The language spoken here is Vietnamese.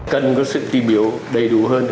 cần có sự tìm hiểu đầy đủ hơn